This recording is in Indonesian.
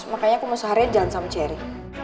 makanya aku mau seharian jalan sama cherry